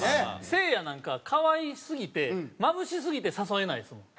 せいやなんか可愛すぎてまぶしすぎて誘えないですもん。